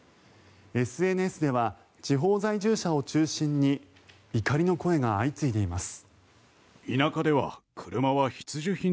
ＳＮＳでは地方在住者を中心に怒りの声が相次いでいます。